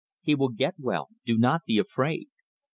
He will get well do not be afraid."